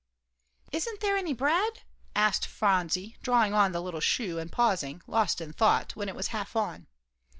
"Isn't there any bread?" asked Phronsie, drawing on the little shoe, and pausing, lost in thought, when it was half on.